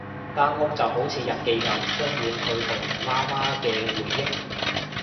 間好屋就好似日記噉，充滿佢同媽媽嘅回憶